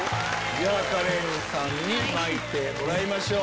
カレンさんに巻いてもらいましょう。